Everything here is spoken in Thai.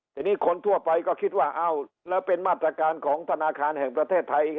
ทีนี้คนทั่วไปก็คิดว่าอ้าวแล้วเป็นมาตรการของธนาคารแห่งประเทศไทย